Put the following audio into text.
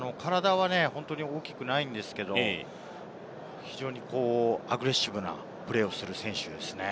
体は本当に大きくないんですけれど、アグレッシブなプレーをする選手ですね。